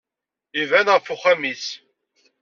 Yebɛed ɣef uxxam-is.